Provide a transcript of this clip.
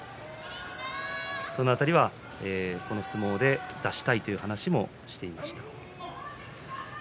その辺りは、この相撲で出したいという話もしていました。